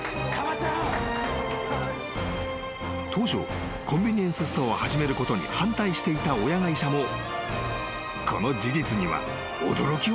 ［当初コンビニエンスストアを始めることに反対していた親会社もこの事実には驚きを隠せなかったという］